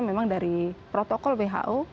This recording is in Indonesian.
memang dari protokol who